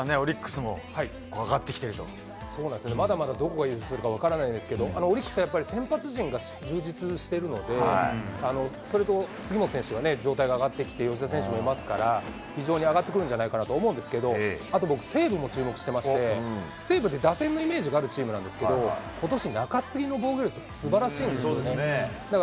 赤星さんね、そうなんですよ、まだまだ、どこが優勝するか分からないんですけど、オリックスはやっぱり先発陣が充実してるので、それと杉本選手が状態が上がってきて、よしだ選手もいますから、非常に上がってくると思うんですけど、あと僕、西武も注目してまして、西武って打線のあるイメージがあるチームなんですけれども、ことし、中継ぎの防御率がすばらしいんですよね。